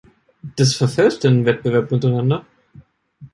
Das verfälscht den Wettbewerb untereinander.